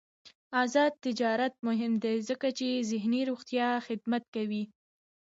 آزاد تجارت مهم دی ځکه چې ذهني روغتیا خدمات ورکوي.